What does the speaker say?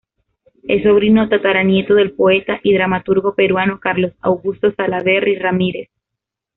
Es sobrino tataranieto del poeta y dramaturgo peruano Carlos Augusto Salaverry Ramírez.